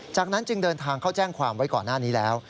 จากนั้นจึงเดินทางเข้าแจ้งความไว้ก่อนหน้านี้แล้ว